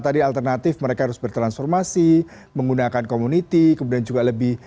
tadi alternatif mereka harus bertransformasi menggunakan community kemudian juga lebih